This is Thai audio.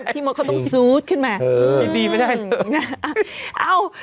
พี่มดเขาต้องซูอทขึ้นมา